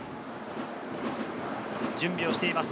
準備をしています。